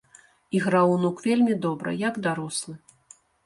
Іграў унук вельмі добра, як дарослы.